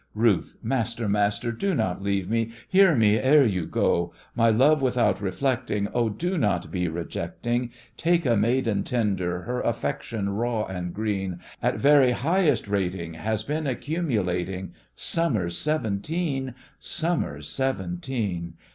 RUTH: Master, master, do not leave me! Hear me, ere you go! My love without reflecting, Oh, do not be rejecting! Take a maiden tender, her affection raw and green, At very highest rating, Has been accumulating Summers seventeen, summers seventeen.